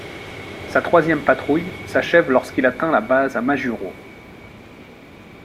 Sa troisième patrouille s'achève le lorsqu'il atteint la base à Majuro.